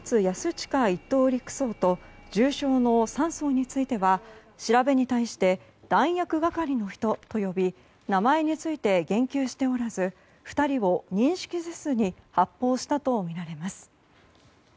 親１等陸曹と重傷の３曹については調べに対して、弾薬係の人と呼び名前について言及しておらず２人を認識せずに発砲したとみられます。